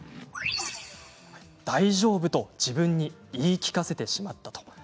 大丈夫と自分に言い聞かせてしまった。